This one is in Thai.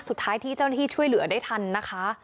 สุดท้ายที่เจ้าหน้าที่ช่วยเหลือได้ทันนะคะ